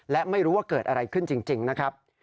และไม่รู้ว่าเกิดอะไรขึ้นจริงนะครับ